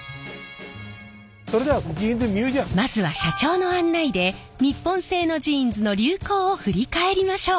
まずは社長の案内で日本製のジーンズの流行を振り返りましょう。